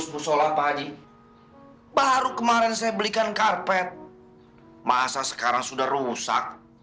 masuk sholat pak haji baru kemarin saya belikan karpet masa sekarang sudah rusak